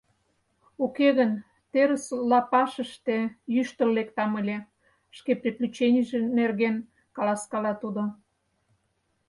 Уке гын, терыс лапашыште йӱштыл лектам ыле, — шке приключенийже нерген каласкала тудо.